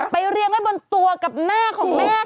เรียงไว้บนตัวกับหน้าของแม่ค่ะ